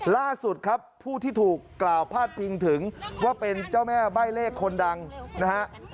ล่าสุดครับผู้ที่ถูกกล่าวพาดพิงถึงว่าเป็นเจ้าแม่ใบ้เลขคนดังนะฮะ